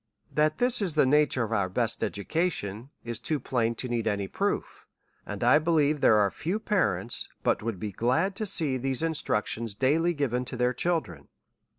That this is the nature of our best education, is too plain to need any proof; and I believe there are few parents, but would be glad to see these instructions daily given to their children.